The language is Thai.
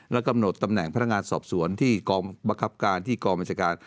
และกำหนดตำแหน่งพนักงานสอบสวนที่กองบังคับการที่กองบัญชาการ